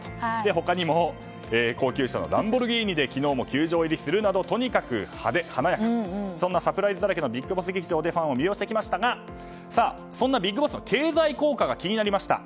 他にも高級車のランボルギーニで昨日も登場するなどとにかく派手華やかでそんなサプライズだらけのＢＩＧＢＯＳＳ劇場でファンを魅了してきましたがそんなＢＩＧＢＯＳＳの経済効果が気になりました。